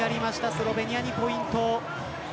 スロベニアにポイント。